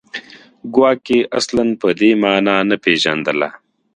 ګواکې اصلاً په دې معنا نه پېژندله